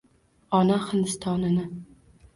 Ona Hindistonini